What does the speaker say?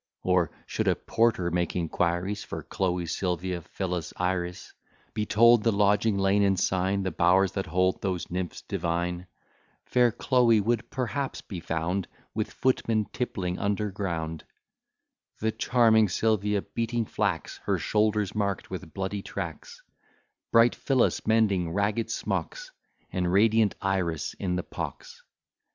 Or, should a porter make inquiries For Chloe, Sylvia, Phillis, Iris; Be told the lodging, lane, and sign, The bowers that hold those nymphs divine; Fair Chloe would perhaps be found With footmen tippling under ground; The charming Sylvia beating flax, Her shoulders mark'd with bloody tracks; Bright Phillis mending ragged smocks: And radiant Iris in the pox.